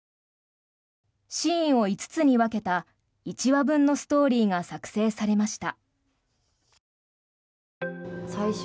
シーンを５つに分けた１話分のストーリーが作成されました。